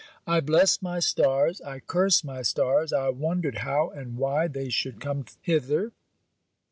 I blessed my stars. I cursed my stars. I wondered how and why they should come hither.